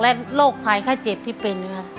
และโรคภายค่าเจ็บที่เป็น